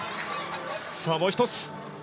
もう１つ。